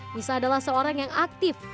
misa adalah seorang yang aktif